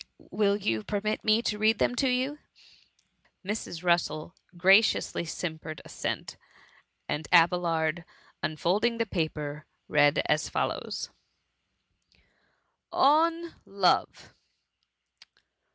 Will you permit me to read them to you ?" Mrs. Russel graciously simpered assent, and Abelard, unfolding the paper, read as follows :— ON LOVE.